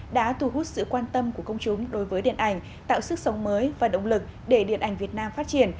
đã thu hút sự quan tâm của công chúng đối với điện ảnh tạo sức sống mới và động lực để điện ảnh việt nam phát triển